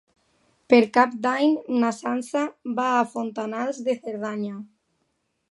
Per Cap d'Any na Sança va a Fontanals de Cerdanya.